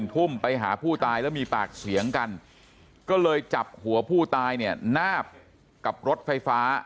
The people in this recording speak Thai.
ไปหาผู้ตายแล้วมีปากเสียงกันก็เลยจับหัวผู้ตายเนี่ยนาบกับรถไฟฟ้า